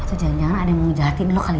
itu ga pernah yang namanya ke kunci di toilet